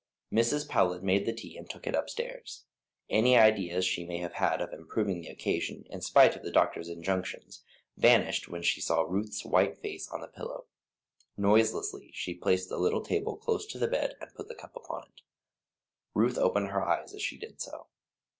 Mrs. Powlett made the tea and took it upstairs. Any ideas she may have had of improving the occasion, in spite of the doctor's injunctions, vanished when she saw Ruth's white face on the pillow. Noiselessly she placed the little table close to the bed and put the cup upon it. Ruth opened her eyes as she did so.